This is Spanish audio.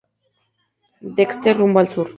Dexter rumbo al sur